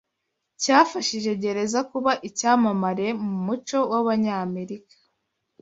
cyafashije gereza kuba icyamamare mu muco w'Abanyamerika